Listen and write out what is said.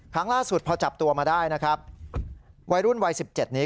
ครั้งล่าสุดพอจับตัวมาได้วัยรุ่นวัย๑๗นี้